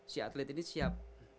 si atlet ini siap